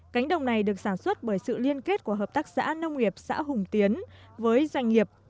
cánh đồng này được sản xuất bởi sự liên kết của hợp tác xã nông nghiệp xã hùng tiến với doanh nghiệp